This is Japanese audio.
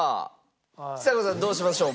ちさ子さんどうしましょう？